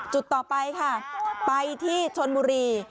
จุดต่อไปค่ะไปที่ชนบุรี